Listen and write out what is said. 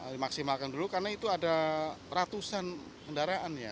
dimaksimalkan dulu karena itu ada ratusan kendaraan ya